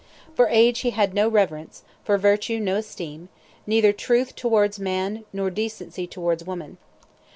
For age he had no reverence, for virtue no esteem, neither truth towards man, nor decency towards woman.